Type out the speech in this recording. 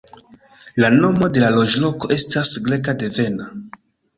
La nomo de la loĝloko estas grek-devena.